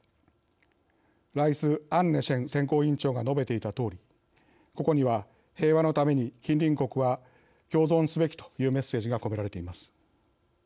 ライスアンネシェン選考委員長が述べていたとおりここには「平和のために近隣国は共存すべき」というメッセージが込められています。